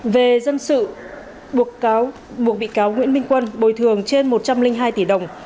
về dân sự buộc bị cáo nguyễn minh quân bồi thường trên một trăm linh hai tỷ đồng